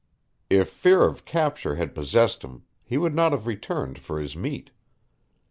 If fear of capture had possessed him he would not have returned for his meat.